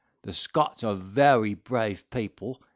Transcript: The Scots are very brave people.